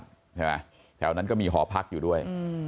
ใช่ไหมแถวนั้นก็มีหอพักอยู่ด้วยอืม